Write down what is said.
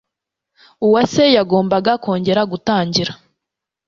Uwase yagombaga kongera gutangira.